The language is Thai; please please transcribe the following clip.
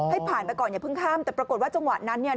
ให้ผ่านไปก่อนอย่าเพิ่งข้ามแต่ปรากฏว่าจังหวะนั้นเนี่ย